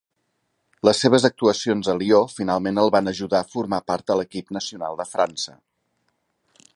Les seves actuacions a Lió finalment el van ajudar a formar part a l'equip nacional de França.